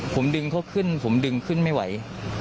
ผมดึงเขาขึ้นผมดึงขึ้นไม่ไหว